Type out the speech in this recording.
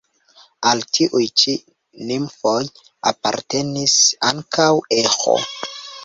Al tiuj ĉi nimfoj apartenis ankaŭ Eĥo.